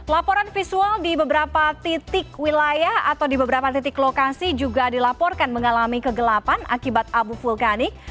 laporan visual di beberapa titik wilayah atau di beberapa titik lokasi juga dilaporkan mengalami kegelapan akibat abu vulkanik